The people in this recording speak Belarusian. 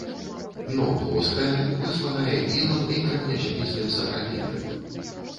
Дно плоскае, высланае ілам і крэменязёмістым сапрапелем.